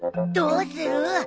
どうする？